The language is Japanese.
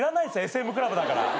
ＳＭクラブだから。